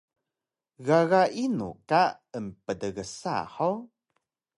Gaga inu ka emptgsa hug?